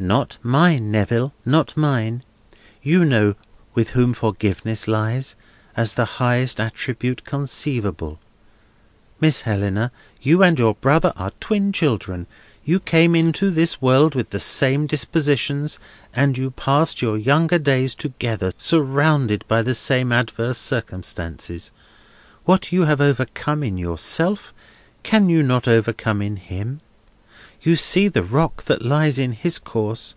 "Not mine, Neville, not mine. You know with whom forgiveness lies, as the highest attribute conceivable. Miss Helena, you and your brother are twin children. You came into this world with the same dispositions, and you passed your younger days together surrounded by the same adverse circumstances. What you have overcome in yourself, can you not overcome in him? You see the rock that lies in his course.